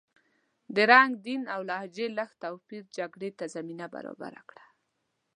د رنګ، دین او لهجې لږ توپیر جګړې ته زمینه برابره کړه.